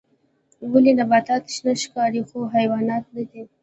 ولې نباتات شنه ښکاري خو حیوانات نه